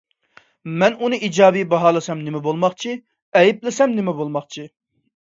مەن ئۇنى ئىجابىي باھالىسام نېمە بولماقچى، ئەيىبلىسەم نېمە بولماقچى؟